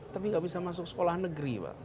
tapi nggak bisa masuk sekolah negeri pak